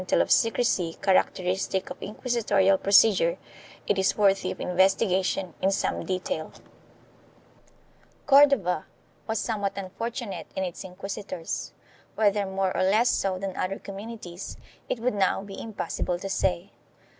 190 ESTABLISHMENT OF THE INQUISITION [BOOK I secrecy characteristic of inquisitorial procedure, it is worthy of investigation in some detail. Cordova was somewhat unfortunate in its inquisitors; whether more or less so than other communities it would now be impossible to say.